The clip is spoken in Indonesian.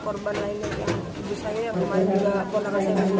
korban lainnya ibu saya ya kalau enam korban lainnya ibu saya yang kemarin juga